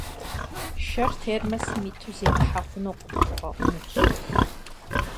Шэр термосым иту зепхьэ хъунукъым, фӀэӀунущ.